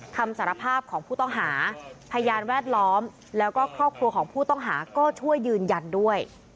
คำสารภาพของผู้ต้องหาพยานแวดล้อมแล้วก็ครอบครัวของผู้ต้องหาก็ช่วยยืนยันด้วย